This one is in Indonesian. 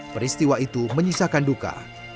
peristiwa itu menyisakan duka